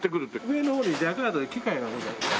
上の方にジャカードという機械がございます。